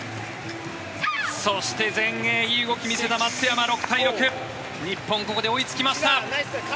そして、前衛いい動きを見せた松山、６対６日本、ここで追いつきました。